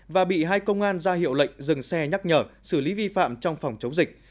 và bị hai công an ra hiệu lệnh dừng xe nhắc nhở xử lý vi phạm trong phòng chống dịch